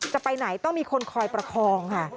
จะไปไหนต้องมีคนคอยประคองค่ะ